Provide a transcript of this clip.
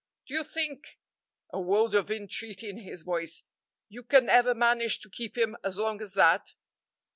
Do you think" a world of entreaty in his voice "you can ever manage to keep him as long as that?"